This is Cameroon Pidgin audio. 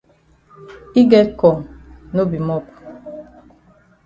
Yi get kong no be mop.